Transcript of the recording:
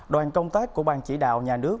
đoàn công tác của bang chỉ đạo nhà nước